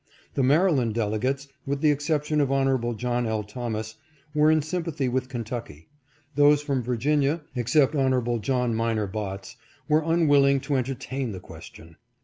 The Maryland delegates, with the excep tion of Hon. John L. Thomas, were in sympathy with Kentucky. Those from Virginia, except Hon. John Minor Botts, were unwilling to entertain the question.